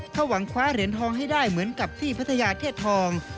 เขาหวังคว้าเหรียญทองให้ได้เหมือนกับที่พัทยาเทศทอง